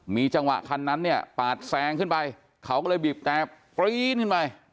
มีจังหวะคันนั้นปาดแซงขึ้นไปเขาก็เลยบีบแปลขึ้นไป